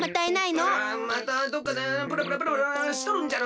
またどっかでプラプラプラプラしとるんじゃろ。